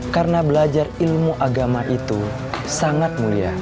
karena belajar ilmu agama itu sangat mulia